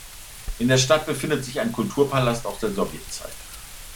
In der Stadt befindet sich ein Kulturpalast aus der Sowjetzeit.